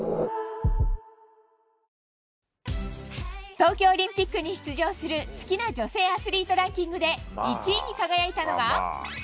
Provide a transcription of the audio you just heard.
東京オリンピックに出場する好きな女性アスリートランキングで１位に輝いたのが。